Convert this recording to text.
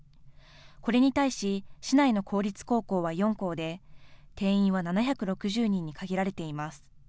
これに対し市内の公立高校は４校で定員は７６０人に限られています。